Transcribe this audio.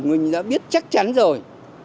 mình đã biết chắc chắn rồi